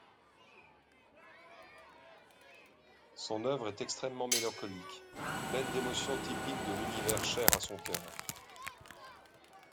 Son œuvre est extrêmement mélancolique, pleine d'émotion typique de l'univers cher à son cœur.